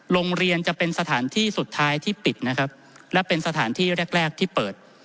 โรงเรียนจะเป็นสถานที่สุดท้ายที่ปิดนะครับและเป็นสถานที่แรกแรกที่เปิด